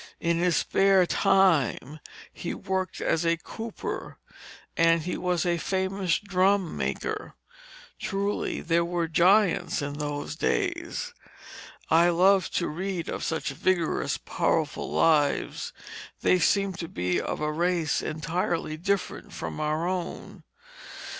In his spare time he worked as a cooper, and he was a famous drum maker. Truly there were giants in those days. I love to read of such vigorous, powerful lives; they seem to be of a race entirely different from our own.